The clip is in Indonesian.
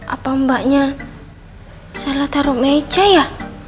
apa mbaknya salah taruh meja ya